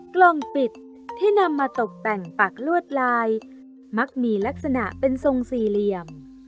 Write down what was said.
กล่องปิดที่นำมาตกแต่งปักลวดลายมักมีลักษณะเป็นทรงสี่เหลี่ยม